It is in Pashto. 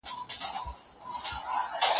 ما ژوندي پر لویو لارو دي شکولي